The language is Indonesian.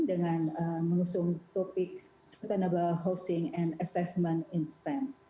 dengan mengusung topik sustainable housing and assessment in stem